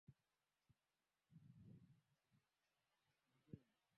kamati hii inasimamia muundo wa usimamizi wa matukio ya dharura